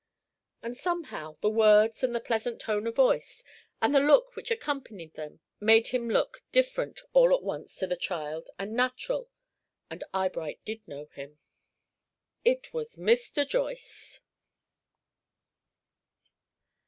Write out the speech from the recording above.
And, somehow, the words and the pleasant tone of voice, and the look which accompanied them made him look different, all at once, to the child, and natural, and Eyebright did know him. It was Mr. Joyce!